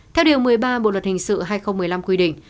theo điều một mươi ba bộ luật hình sự hai nghìn một mươi năm quy định